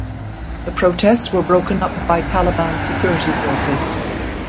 The protests were broken up by Taliban security forces.